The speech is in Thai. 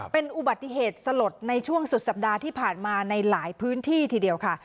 เป็นอุบัติเหตุสลดในช่วงสุดสัปดาห์ที่ผ่านมาในหลายพื้นที่ทีเดียวค่ะ